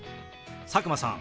佐久間さん